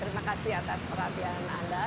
terima kasih atas perhatian anda